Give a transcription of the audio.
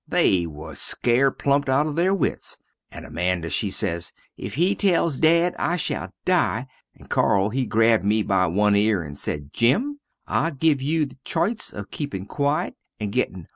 They was scart plump out of there wits, and Amanda she sez, If he tells dad I shall dye, and Carl he grabd me by one ear and sed, Jim, I give you the choyce of keepin quiet and gettin $1.